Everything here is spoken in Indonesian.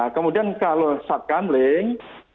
kemudian kalau satgamling